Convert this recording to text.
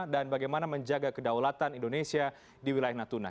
dan bagaimana menjaga kedaulatan indonesia di wilayah natuna